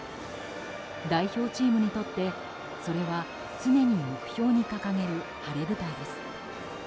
代表チームにとってそれは常に目標に掲げる晴れ舞台です。